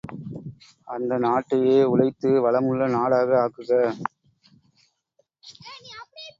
அந்த நாட்டையே உழைத்து வளமுள்ள நாடாக ஆக்குக!